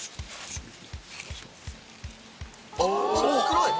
あっ黒い。